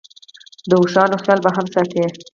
د اوښانو خیال به هم ساتې.